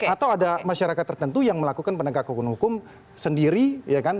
atau ada masyarakat tertentu yang melakukan penegak hukum hukum sendiri ya kan